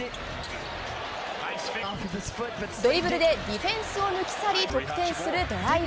ドリブルでディフェンスを抜き去り得点するドライブ。